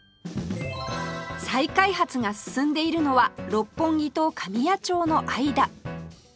再開発が進んでいるのは六本木と神谷町の間